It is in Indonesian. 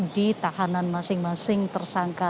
di tahanan masing masing tersangka